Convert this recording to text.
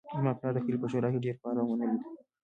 زما پلار د کلي په شورا کې ډیر فعال او منلی ده